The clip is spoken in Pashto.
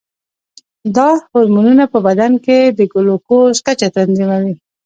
دا هورمونونه په بدن کې د ګلوکوز کچه تنظیموي.